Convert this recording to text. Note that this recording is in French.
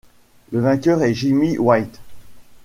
Le vainqueur est Jimmy White.